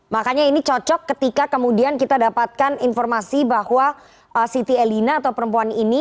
makanya ini cocok ketika kemudian kita dapatkan informasi bahwa siti elina atau perempuan ini